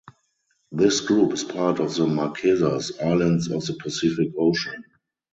This group is part of the Marquesas Islands of the Pacific Ocean.